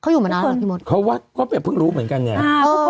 เขาอยู่เหมือนอ้านหรอพี่มดเขาวัดก็เพิ่งรู้เหมือนกันไงอ่า